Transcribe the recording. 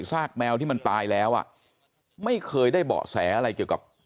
ซากแมวที่มันตายแล้วอ่ะไม่เคยได้เบาะแสอะไรเกี่ยวกับ